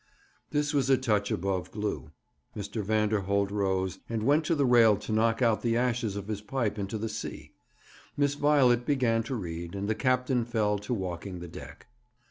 This was a touch above Glew. Mr. Vanderholt rose, and went to the rail to knock out the ashes of his pipe into the sea. Miss Violet began to read, and the captain fell to walking the deck.